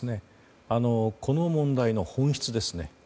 この問題の本質ですね。